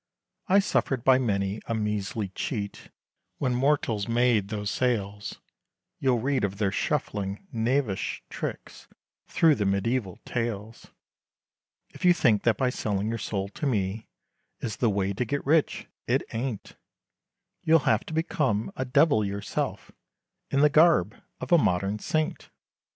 I suffered by many a measly cheat, When mortals made those sales, You'll read of their shuffling knavish tricks, Thro' the mediæval tales, If you think, that by selling your soul to me, Is the way to get rich, it ain't, You'll have to become, a Devil yourself, In the garb, of a modern Saint.